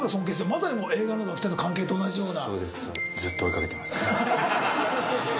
まさにもう映画の中の２人の関係と同じような。